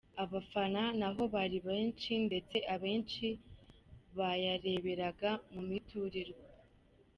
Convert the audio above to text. Abafana naho bari benshi, ndetse abenshi bayareberaga mu miturirwa.